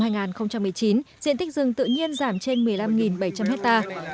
năm hai nghìn một mươi chín diện tích rừng tự nhiên giảm trên một mươi năm bảy trăm linh hectare